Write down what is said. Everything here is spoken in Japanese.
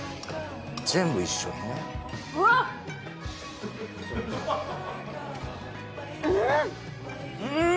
全部一緒にねうーん！